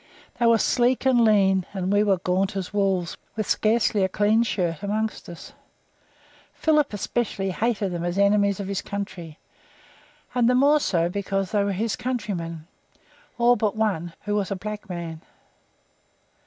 They were sleek and clean, and we were gaunt as wolves, with scarcely a clean shirt among us. Philip, especially hated them as enemies of his country, and the more so because they were his countrymen, all but one, who was a black man.